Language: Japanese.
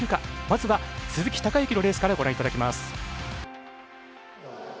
まずは鈴木孝幸のレースからご覧いただきます。